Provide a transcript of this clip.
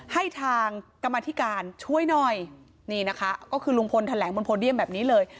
ให้ทางกรรมธิการช่วยหน่อยนี่นะคะก็คือลุงพลแถลงบนโพเดียมแบบนี้เลย